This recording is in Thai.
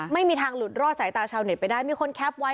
ไม่มีทางหลุดรอดสายตาชาวเน็ตไปได้มีคนแคปไว้